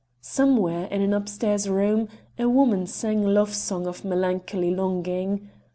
Somewhere, in an upstairs room, a woman sang a love song of melancholy longing.